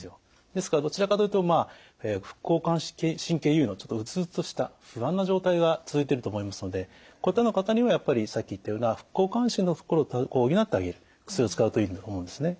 ですからどちらかというとまあ副交感神経優位のちょっとうつうつとした不安な状態が続いてると思いますのでこういったような方にはやっぱりさっき言ったような副交感神経のところを補ってあげる薬を使うといいと思うんですね。